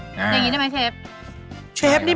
เชฟนี่มันจะไม่ไหวแล้วนะ